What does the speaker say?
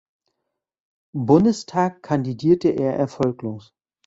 Bundestag kandidierte er erfolglos.